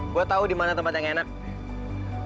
gue tau dimana tempat yang enak